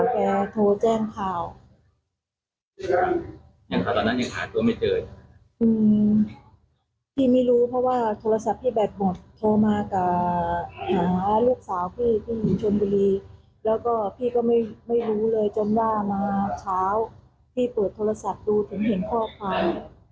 ก็จะนำร่างไปสวดบำเพ็ญกุฏิภาพที่ยอมรับดูถึงเห็นพ่อคลาย